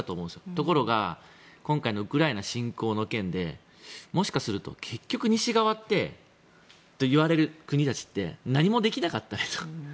ところが今回のウクライナ侵攻の件でもしかすると結局、西側といわれる国たちって何もできなかったねと。